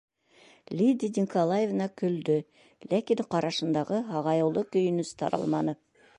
Лидия Николаевна көлдө, ләкин ҡарашындағы һағайыулы көйөнөс таралманы.